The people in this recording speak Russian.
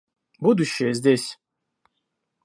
Будущее здесь